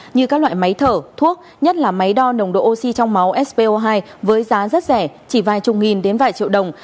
như các loại máy thở thuốc nhất là máy đo nồng độ oxy trong máu spo hai với giá rất rẻ chỉ vài chục nghìn đến vài triệu đồng